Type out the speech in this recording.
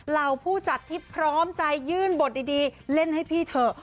เหล่าผู้จัดที่พร้อมใจยื่นบทดีเล่นให้พี่เถอะ